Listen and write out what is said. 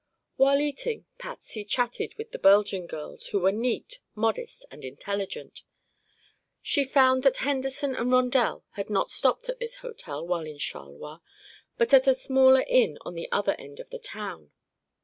While eating, Patsy chatted with the Belgian girls, who were neat, modest and intelligent. She found that Henderson and Rondel had not stopped at this hotel while in Charleroi, but at a smaller inn at the other end of the town.